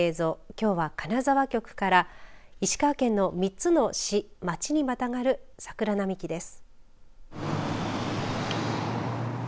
きょうは金沢局から石川県の３つの市、町にまたがる桜並木です。